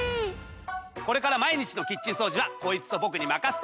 これから毎日のキッチン掃除はこいつと僕に任せて！